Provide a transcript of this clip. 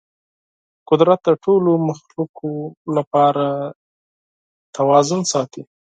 قدرت د ټولو مخلوقاتو لپاره توازن ساتي.